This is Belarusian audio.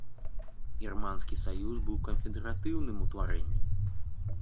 Германскі саюз быў канфедэратыўным утварэннем.